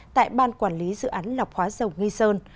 tại ban quản lý dự án lọc hóa dầu nghi sơn